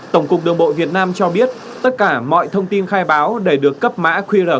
tổng cục đường bộ việt nam cho biết tất cả mọi thông tin khai báo đều được cấp mã qr